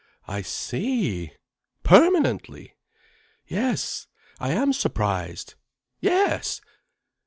I see! Permanently! Yes, I am surprised! Yes!